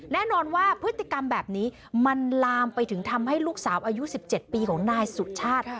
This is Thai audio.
แน่นอนว่าพฤติกรรมแบบนี้มันลามไปถึงทำให้ลูกสาวอายุ๑๗ปีของนายสุชาติ